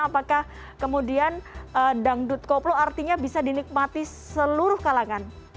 apakah kemudian dangdut koplo artinya bisa dinikmati seluruh kalangan